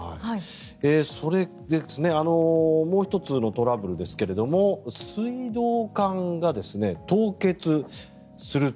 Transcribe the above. それでもう１つのトラブルですが水道管が凍結すると。